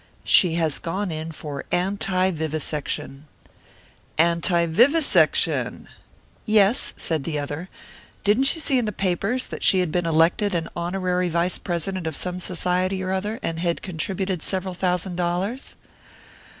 "She has gone in for anti vivisection." "Anti vivisection!" "Yes," said the other; "didn't you see in the papers that she had been elected an honorary vice president of some society or other, and had contributed several thousand dollars?"